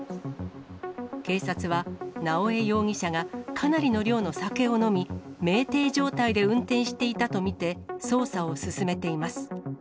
警察は、直江容疑者がかなりの量の酒を飲み、めいてい状態で運転していたと見て、捜査を進めています。